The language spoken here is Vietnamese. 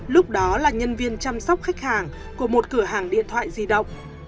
lúc đó là nhân viên chăm sóc khách hàng của một cửa hàng điện thoại di động